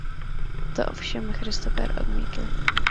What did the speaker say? To ovšem Christopher odmítl.